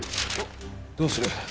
どうする？